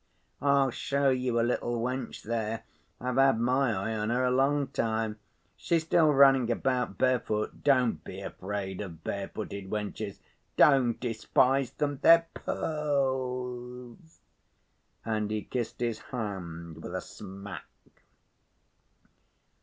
I'll show you a little wench there. I've had my eye on her a long time. She's still running about bare‐foot. Don't be afraid of bare‐footed wenches—don't despise them—they're pearls!" And he kissed his hand with a smack.